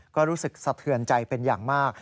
ก็รู้สึกสะเทือนใจเป็นอย่างมาก